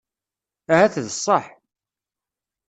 Ahat d ṣṣeḥ.